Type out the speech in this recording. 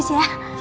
bikin jus ya